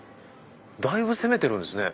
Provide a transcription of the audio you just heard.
だいぶ攻めてるんですね